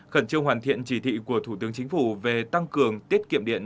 khẩn trương hoàn thiện chỉ thị của thủ tướng chính phủ về tăng cường tiết kiệm điện